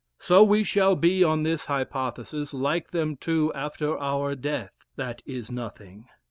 So we shall be on this hypothesis, like them too after our death, that is nothing.